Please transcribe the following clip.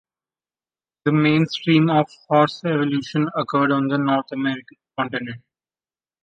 The main stream of horse evolution occurred on the North American continent.